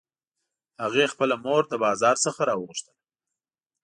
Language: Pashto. هغې خپله مور له بازار څخه راوغوښتله